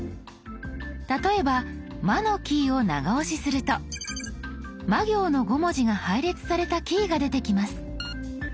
例えば「ま」のキーを長押しするとま行の５文字が配列されたキーが出てきます。